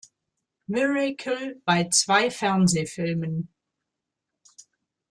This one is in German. Miracle" bei zwei Fernsehfilmen.